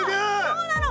そうなの。